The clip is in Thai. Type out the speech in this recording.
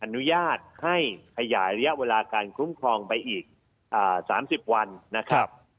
อนุญาตให้ขยายระยะเวลาการคุ้มครองไปอีก๓๐วันนะครับ